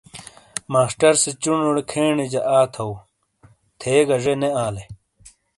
ماسٹر سے چُونوڑے کھینیجہ آ تھَو، تھیگہ ذے نے آلے۔